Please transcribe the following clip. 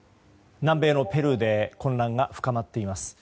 南米のペルーで混乱が深まっています。